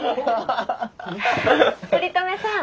鳥留さん。